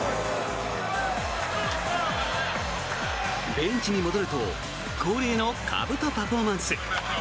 ベンチに戻ると恒例のかぶとパフォーマンス。